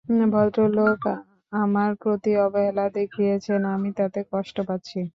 ভদ্রলোক আমার প্রতি অবহেলা দেখিয়েছেন আমি তাতে কষ্ট পাচ্ছি।